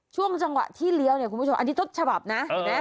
ช่วงจังหวะที่เลี้ยวคุณผู้ชมอันนี้ต้นฉบับนะ